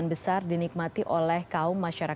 mersyukur terima kasih